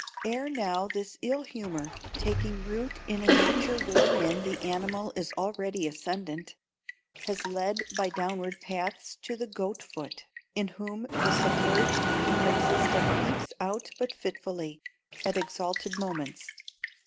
Ere now this ill humour, taking root in a nature wherein the animal is already ascendant, has led by downward paths to the Goat Foot, in whom the submerged human system peeps out but fitfully, at exalted moments.